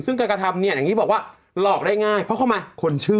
ซึ่งการกระทำเนี่ยอย่างนี้บอกว่าหลอกได้ง่ายเพราะเข้ามาคนชื่อ